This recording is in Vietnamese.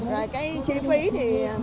rồi cái chi phí thì